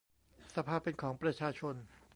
สภาเป็นของประชาชน